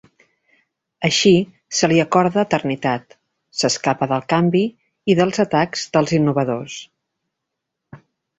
Així, se li acorda eternitat; s'escapa del canvi i dels atacs dels innovadors.